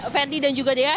verdi dan juga dea